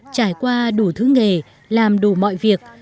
trải qua đủ thứ nghề làm đủ mọi việc